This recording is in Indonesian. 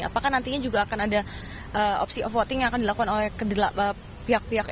apakah nantinya juga akan ada opsi avothing yang akan dilakukan oleh pihak pihak